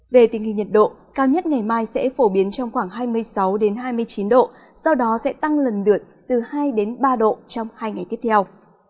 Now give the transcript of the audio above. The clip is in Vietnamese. về tình hình nhiệt độ cao nhất ngày mai sẽ phổ biến trong khoảng hai mươi sáu hai mươi chín độ sau đó sẽ tăng lần lượt từ hai ba độ trong hai ngày tiếp theo